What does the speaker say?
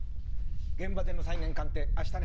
現場での再現鑑定明日ね。